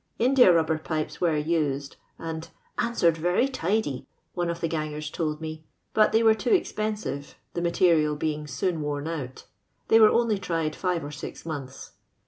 India rubber pipes were used, aA ^ answered very tidy, one of tho gangen toU me, but they were too ezpenslTe, the matenil being soon worn out: they were only tried fits or six months.